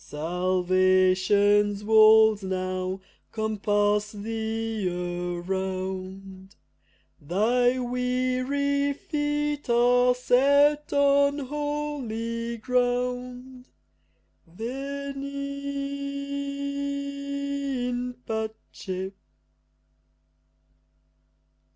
Salvation's walls now compass thee around, Thy weary feet are set on holy ground. Veni in pace!